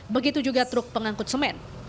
begitu juga truk pengangkut semen